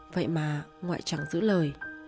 vậy mà ngoại chẳng giữ lời